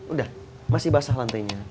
udah masih basah lantainya